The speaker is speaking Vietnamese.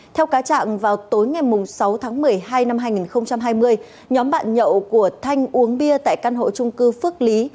theo cáo trạng vào tối ngày sáu tháng một mươi hai năm hai nghìn hai mươi nhóm bạn nhậu của thanh uống bia tại căn hộ trung cư phước lý